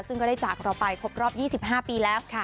ซึ่งก็ได้จากเราไปครบรอบ๒๕ปีแล้ว